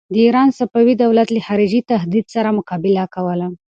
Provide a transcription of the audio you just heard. د ایران صفوي دولت له خارجي تهدید سره مقابله کوله.